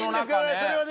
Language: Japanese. それはね